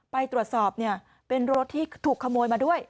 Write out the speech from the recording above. ใบตรวจสอบเป็นรถที่ถูกขโมยมาด้วย